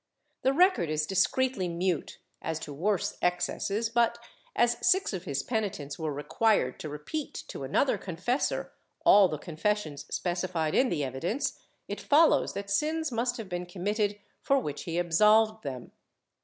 The record is discreetly mute as to worse excesses but, as six of his penitents were required to repeat to another confessor all the confessions specified in the evidence, it follows that sins must have been com mitted for which he absolved them.